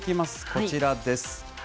こちらです。